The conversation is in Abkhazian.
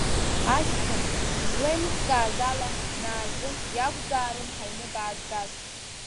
Ашьҭахь, излеилыскааз ала, Наазым иакәзаарын ҳаҩны баазгаз.